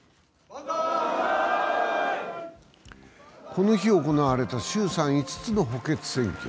この日行われた衆参５つの補欠選挙。